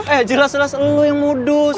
eh jelas jelas lo yang mau duus